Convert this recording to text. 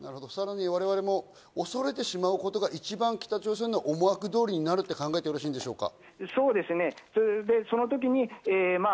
さらに我々も恐れてしまうことが一番、北朝鮮の思惑通りになると考えてよろしいですか？